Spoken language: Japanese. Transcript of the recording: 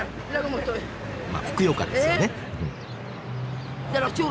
まあふくよかですよね。